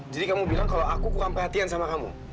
jadi kamu bilang kalau aku kurang perhatian sama kamu